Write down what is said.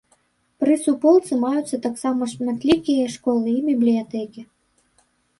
Пры суполцы маюцца таксама шматлікія школы і бібліятэкі.